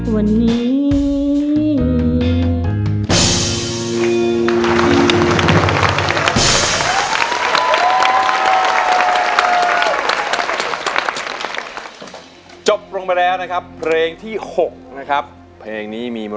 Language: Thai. วันนี้